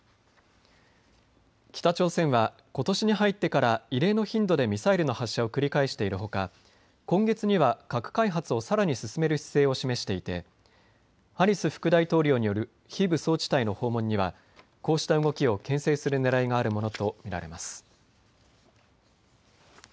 北朝鮮はことしに入ってから異例の頻度でミサイルの発射を繰り返しているほか今月には核開発をさらに進める姿勢を示していてハリス副大統領による非武装地帯の訪問にはこうした動きをけん制するねらいがあるものと見られます。